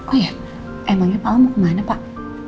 oh ya emangnya pak lo mau kemana pak